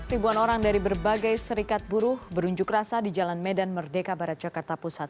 ribuan orang dari berbagai serikat buruh berunjuk rasa di jalan medan merdeka barat jakarta pusat